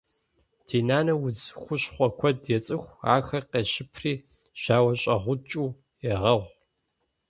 Ди нанэ удз хущхъуэ куэд ецӀыху. Ахэр къещыпри жьауэщӀэгъукӀыу егъэгъу.